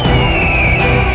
teman yang lebih rezeki